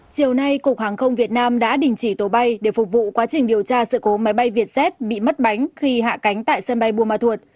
chiều nay cục hàng không việt nam đã đình chỉ tổ bay để phục vụ quá trình điều tra sự cố máy bay vietjet bị mất bánh khi hạ cánh tại sân bay buôn ma thuột